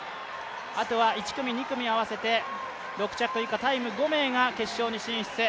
あとは１組、２組合わせて６着以下タイム５名が決勝に進出。